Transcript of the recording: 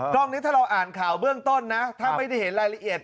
กล้องนี้ถ้าเราอ่านข่าวเบื้องต้นนะถ้าไม่ได้เห็นรายละเอียด